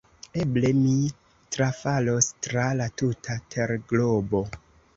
Eble mi trafalos tra la tuta terglobo!